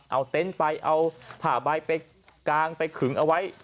เอาเต็นต์ไปเอาผ้าใบไปกางไปขึงเอาไว้